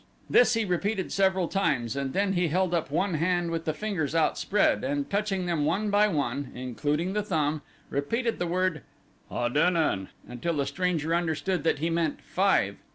This he repeated several times and then he held up one hand with the fingers outspread and touching them one by one, including the thumb, repeated the word adenen until the stranger understood that he meant five.